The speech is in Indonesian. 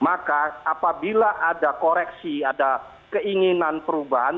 maka apabila ada koreksi ada keinginan perubahan